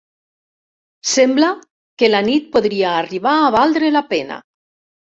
Sembla que la nit podria arribar a valdre la pena.